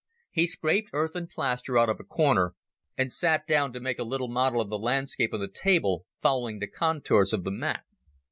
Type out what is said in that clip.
He scraped earth and plaster out of a corner and sat down to make a little model of the landscape on the table, following the contours of the map.